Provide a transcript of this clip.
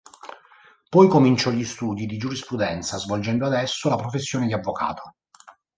Poi cominciò gli studi di giurisprudenza, svolgendo adesso la professione di avvocato.